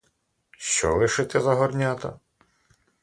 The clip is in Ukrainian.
Що лишити за горнята?